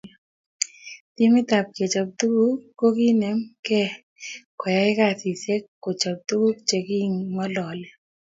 Timit ab kechob tukuk ko kinem ke koyay kasisiek kochop tukuk che kingolole